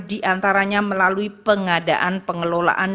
diantaranya melalui pengadaan pengelolaan